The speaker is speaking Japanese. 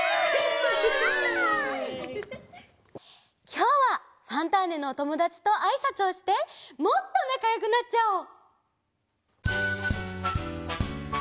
きょうは「ファンターネ！」のおともだちとあいさつをしてもっとなかよくなっちゃおう！